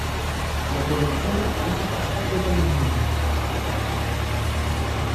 La colección es accesible para los miembros.